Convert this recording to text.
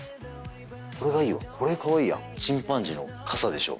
これがいいよこれかわいいやんチンパンジーの傘でしょ？